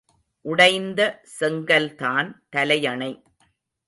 உடைந்த செங்கல்தான் தலையணை.